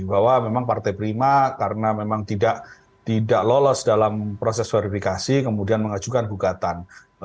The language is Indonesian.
bahwa memang partai prima karena memang tidak lolos dalam proses verifikasi kemudian mengajukan gugatan